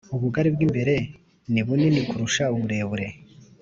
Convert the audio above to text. Ubugari bw imbere nibunini kurusha uburebure